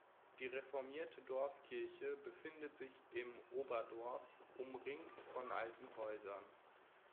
Die reformierte Dorfkirche befindet sich im Oberdorf, umringt von alten Häusern.